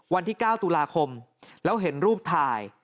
วันที่๙ตุลาคมแล้วเห็นรูปถ่าย